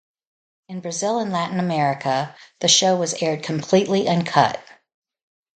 In Brazil and Latin America, the show was aired completely uncut.